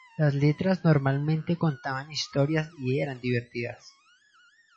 Las letras normalmente contaban historias y eran divertidas.